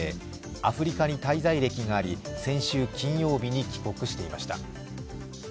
アフリカに滞在歴があり先週金曜日に帰国していました。